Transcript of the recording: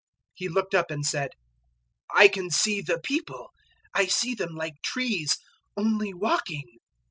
008:024 He looked up and said, "I can see the people: I see them like trees only walking."